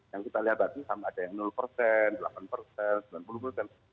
yang kita lihat tadi sama ada yang